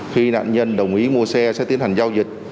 khi nạn nhân đồng ý mua xe sẽ tiến hành giao dịch